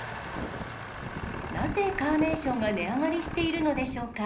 なぜカーネーションが値上がりしているのでしょうか。